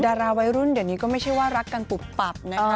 ดาราวัยรุ่นเดี๋ยวนี้ก็ไม่ใช่ว่ารักกันปุบปับนะคะ